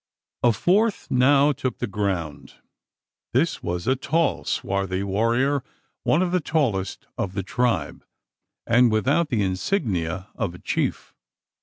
A fourth now took the ground. This was a tall, swarthy warrior, one of the tallest of the tribe; and without the insignia of a chief.